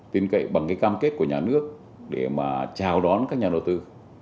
tin cậy bằng cái cam kết của nhà nước để mà chào đón các nhà đầu tư